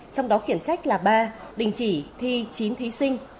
trong đó khiển trách là ba đình chỉ thi chín thí sinh